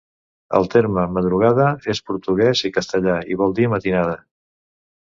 El terme "madrugada" és portuguès i castellà i vol dir "matinada".